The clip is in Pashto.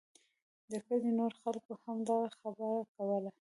د کلي نورو خلکو هم دغه خبره کوله.